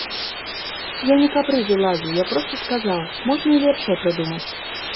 Я не капрызы ладзіў, я проста сказаў, можна і лепшае прыдумаць.